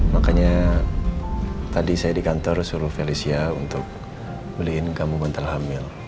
makanya tadi saya di kantor suruh felicia untuk beliin kamu mental hamil